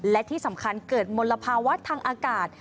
และที่สำคัญเกิดมลภาวะทางอากาศ